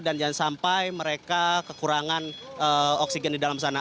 dan jangan sampai mereka kekurangan oksigen di dalam sana